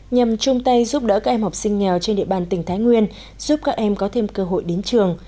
nhằm chung tay giúp đỡ các em học sinh nghèo trên địa bàn tỉnh thái nguyên giúp các em có thêm cơ hội đến trường